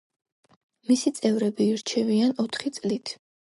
მისი წევრები ირჩევიან ოთხი წლით.